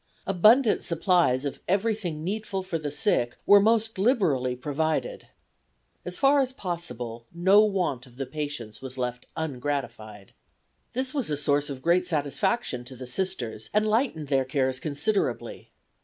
Abundant supplies of everything needful for the sick were most liberally provided. As far as possible no want of the patients was left ungratified. This was a source of great satisfaction to the Sisters, and lightened their cares considerably.